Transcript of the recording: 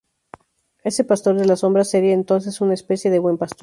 Este pastor de las sombras sería entonces una especie de buen pastor.